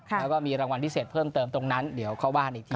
แล้วก็มีรางวัลพิเศษเพิ่มเติมตรงนั้นเดี๋ยวเขาว่ากันอีกที